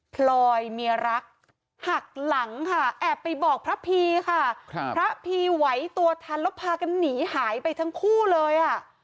พลอยเมียรักหักหลังค่ะแอบไปบอกพระพีค่ะพระพีไหวตัวทันแล้วพากันหนีหายไปทั้งคู่เลยอ่ะ